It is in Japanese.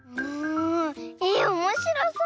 えおもしろそう！